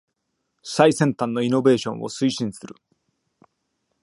最先端のイノベーションを推進する